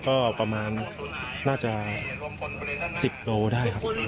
ก็ประมาณน่าจะ๑๐โลได้ครับ